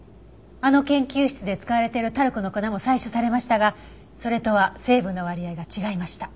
あの研究室で使われているタルクの粉も採取されましたがそれとは成分の割合が違いました。